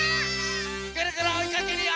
ぐるぐるおいかけるよ！